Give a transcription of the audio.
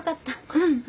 うん。